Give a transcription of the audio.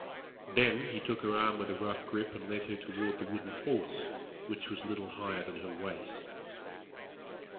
Then he took her arm with a rough grip and led her toward the wooden horse, which was little higher than her waist.